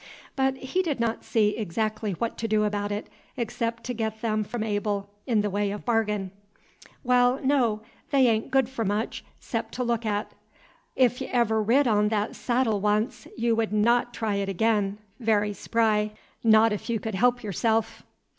But he did not see exactly what to do about it, except to get them from Abel in the way of bargain. "Waal, no, they a'n't good for much 'xcep' to look at. 'F y' ever rid on that seddle once, y' would n' try it ag'in, very spry, not 'f y' c'd haalp y'rsaalf.